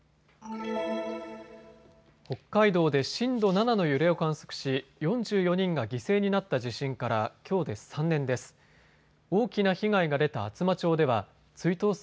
北海道で震度７の揺れを観測し４４人が犠牲になった地震からきょうで３年です。